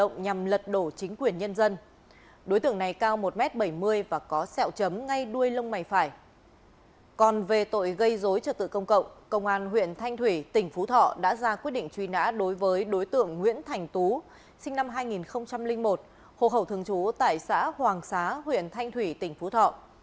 gây dối trực tự công cộng công an huyện thanh thủy tỉnh phú thọ đã ra quyết định truy nã đối với đối tượng nguyễn thành tú sinh năm hai nghìn một hồ khẩu thường trú tại xã hoàng xá huyện thanh thủy tỉnh phú thọ